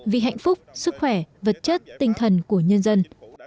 vì hạnh phúc sức khỏe vật chất tinh thần của nhân dân